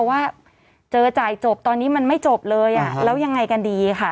ว่าเจอจ่ายจบตอนนี้มันไม่จบเลยอ่ะแล้วยังไงกันดีค่ะ